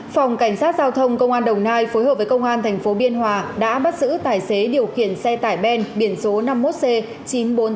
phòng cảnh sát giao thông công an đồng nai phối hợp với công an tp biên hòa đã bắt giữ tài xế điều khiển xe tải ben biển số năm mươi một c chín mươi bốn nghìn tám trăm năm mươi hai